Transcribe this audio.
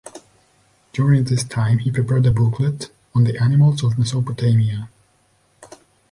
During this time, he prepared a booklet on the animals of Mesopotamia.